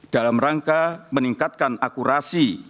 dalam rangka meningkatkan akurasi